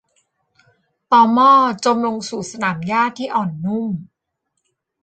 ตอม่อจมลงสู่สนามหญ้าที่อ่อนนุ่ม